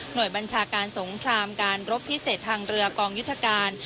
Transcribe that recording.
โดยบัญชาการสงครามการรบพิเศษทางเรือกองยุทธการ